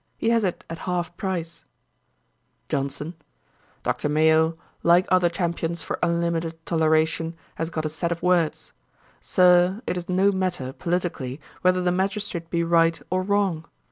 He has it at half price.' JOHNSON. 'Dr. Mayo, like other champions for unlimited toleration, has got a set of words. Sir, it is no matter, politically, whether the magistrate be right or wrong.